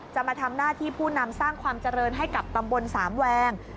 จะมาทำหน้าที่ผู้นำสร้างความเจริญให้กับตำบลสามแวง